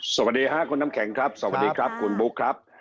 สวัสดีค่ะคุณน้ำแข็งครับสวัสดีครับคุณบุ๊คครับ